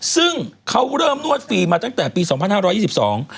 ซึ่งเขาเริ่มนวดฟรีมาตั้งแต่ปีสองพันห้าร้อยยี่สิบสอง